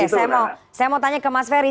oke saya mau tanya ke mas ferry